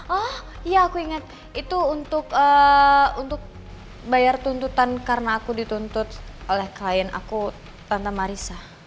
oh iya aku ingat itu untuk bayar tuntutan karena aku dituntut oleh klien aku tante marisa